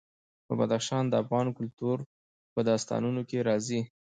بدخشان د افغان کلتور په داستانونو کې راځي.